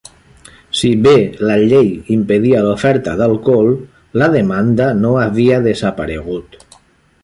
Si bé la llei impedia l'oferta d'alcohol, la demanda no havia desaparegut.